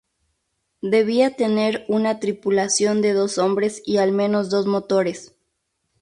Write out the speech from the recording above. Debía tener una tripulación de dos hombres y al menos dos motores.